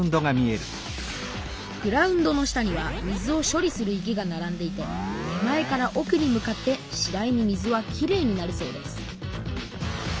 グラウンドの下には水を処理する池がならんでいて手前からおくに向かってしだいに水はきれいになるそうです